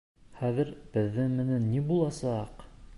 Хәҙер беҙҙең менән ни буласа-аҡ?